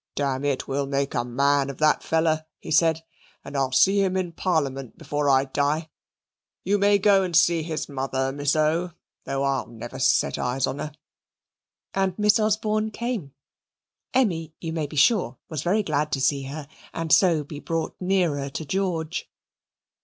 "Damn it, we will make a man of the feller," he said; "and I'll see him in Parliament before I die. You may go and see his mother, Miss O., though I'll never set eyes on her": and Miss Osborne came. Emmy, you may be sure, was very glad to see her, and so be brought nearer to George.